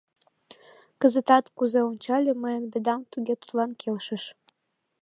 Кызытат, кузе ончале, мыйын «Бедам» туге тудлан келшыш.